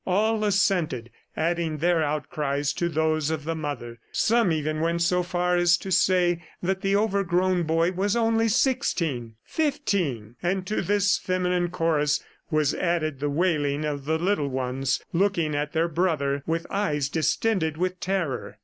All assented, adding their outcries to those of the mother. Some even went so far as to say that the overgrown boy was only sixteen ... fifteen! And to this feminine chorus was added the wailing of the little ones looking at their brother with eyes distended with terror.